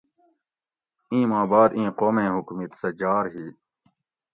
ایں ما باد ایں قومیں حکومِت سہ جار ہی